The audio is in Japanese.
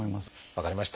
分かりました。